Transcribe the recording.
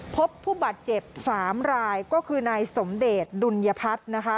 พบผู้บาดเจ็บ๓รายก็คือนายสมเดชดุลยพัฒน์นะคะ